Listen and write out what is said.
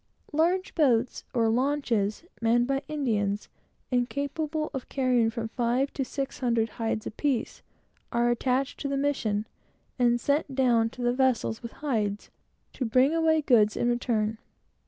Large boats, manned by Indians, and capable of carrying nearly a thousand hides apiece, are attached to the missions, and sent down to the vessels with hides, to bring away goods in return.